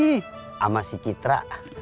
sama si citra